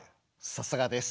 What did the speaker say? さすがです。